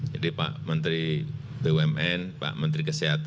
jadi pak menteri bumn pak menteri kesehatan